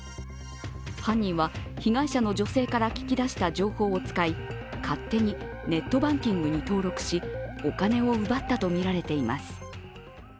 犯人は被害者の女性から聞き出した情報を使い勝手にネットバンキングに登録しお金を奪ったとみられています。